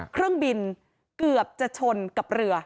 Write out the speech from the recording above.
เครื่องบินเกือบจะชนกับเรือ